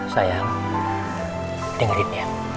sayang dengerin ya